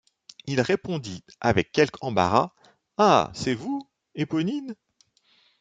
Il répondit avec quelque embarras: — Ah! c’est vous, Éponine?